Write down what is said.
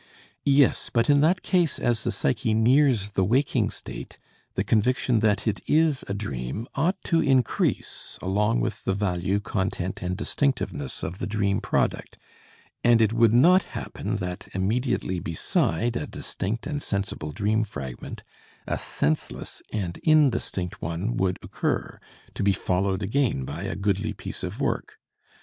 Yes, but in that case as the psyche nears the waking state, the conviction that it is a dream ought to increase along with the value, content and distinctiveness of the dream product, and it would not happen that immediately beside a distinct and sensible dream fragment a senseless and indistinct one would occur, to be followed again by a goodly piece of work.